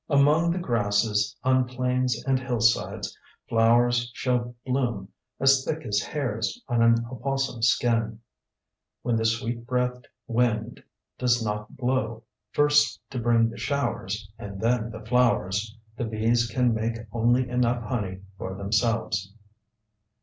Among the grasses, on plains and hillsides, flowers shall bloom as thick as hairs on an opossom's skin. When the sweet breathed wind does not blow,—first to bring the showers and then the flowers,—the bees can make only enough honey for themselves.